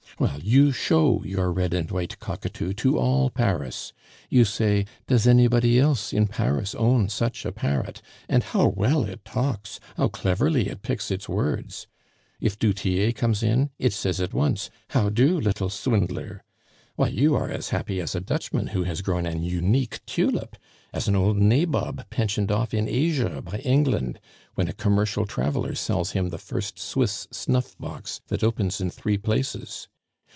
"Well, you show your red and white cockatoo to all Paris. You say, 'Does anybody else in Paris own such a parrot? And how well it talks, how cleverly it picks its words!' If du Tillet comes in, it says at once, 'How'do, little swindler!' Why, you are as happy as a Dutchman who has grown an unique tulip, as an old nabob pensioned off in Asia by England, when a commercial traveler sells him the first Swiss snuff box that opens in three places.